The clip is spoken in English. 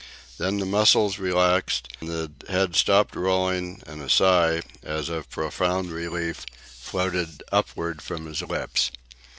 Then the muscles relaxed, the head stopped rolling, and a sigh, as of profound relief, floated upward from his lips.